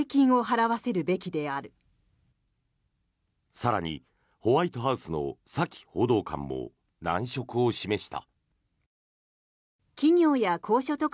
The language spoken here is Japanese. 更に、ホワイトハウスのサキ報道官も難色を示した。